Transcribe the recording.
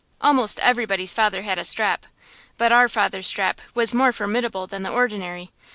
Almost everybody's father had a strap, but our father's strap was more formidable than the ordinary.